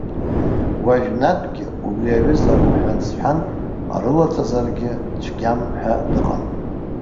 Уажәнатәгьы убри аҩыза ауҳәан-сҳәан рылаҵазаргьы цәгьам ҳәа дыҟан.